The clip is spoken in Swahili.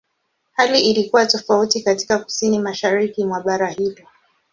Hali ilikuwa tofauti katika Kusini-Mashariki mwa bara hilo.